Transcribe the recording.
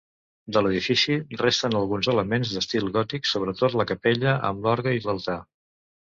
De l'edifici resten alguns elements d'estil gòtic, sobretot a la capella, amb l'orgue i l'altar.